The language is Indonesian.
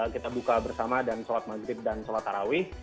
kita buka bersama dan sholat maghrib dan sholat tarawih